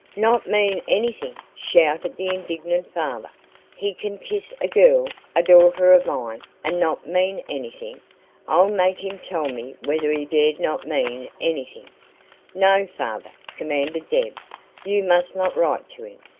"Not mean anything!" shouted the indignant father. "He can kiss a girl a daughter of mine and not mean anything! I'll make him tell me whether he dared not to mean anything " "No, father," commanded Deb. "You must not write to him.